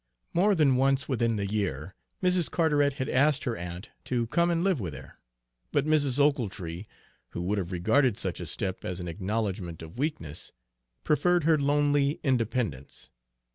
More than once within the year, Mrs. Carteret had asked her aunt to come and live with her; but Mrs. Ochiltree, who would have regarded such a step as an acknowledgment of weakness, preferred her lonely independence.